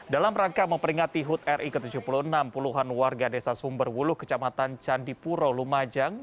dalam rangka memperingati hut ri ke tujuh puluh enam puluhan warga desa sumberwuluh kecamatan candipuro lumajang